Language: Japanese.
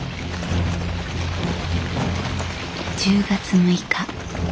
１０月６日。